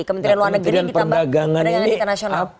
kementerian luar negeri ditambah perdagangan internasional